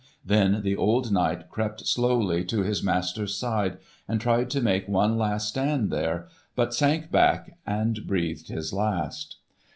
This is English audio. Then the old knight crept slowly to his master's side and tried to make one last stand there, but sank back and breathed his last.